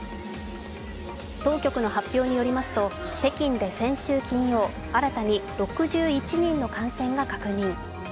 当局の発表によりますと北京で先週金曜、新たに６１人の感染が確認。